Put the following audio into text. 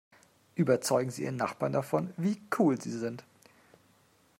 Überzeugen Sie Ihren Nachbarn davon, wie cool Sie sind!